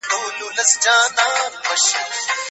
ډاکټران په عملیاتو کې عصري وسایل کاروي.